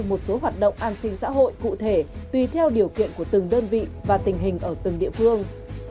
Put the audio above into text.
một số hoạt động an sinh xã hội cụ thể tùy theo điều kiện của từng đơn vị và tình hình ở từng địa phương